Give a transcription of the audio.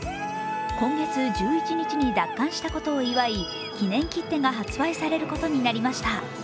今月１１日に奪還したことを祝い、記念切手が発売されることになりました。